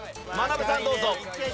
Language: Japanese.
まなぶさんどうぞ。